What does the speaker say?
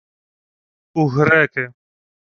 — У греки.